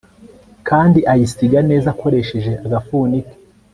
Kandi ayisiga neza akoresheje agafuni ke